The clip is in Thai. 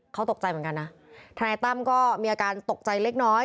เขาตกใจเหมือนกันนะทนายตั้มก็มีอาการตกใจเล็กน้อย